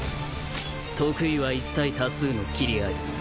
得意は一対多数の斬り合い。